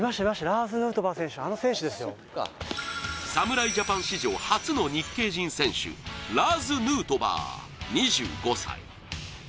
侍ジャパン史上初の日系人選手ラーズ・ヌートバー、２５歳。